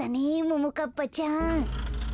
ももかっぱちゃん。